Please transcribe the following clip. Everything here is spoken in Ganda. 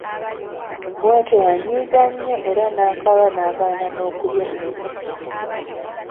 Bw'atyo yanyiiga nnyo era nakaaba nagana n'okulya emmere.